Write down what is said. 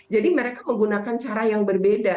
jadi mereka menggunakan cara yang berbeda